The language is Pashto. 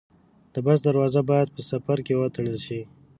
د بس دروازې باید په سفر کې وتړل شي.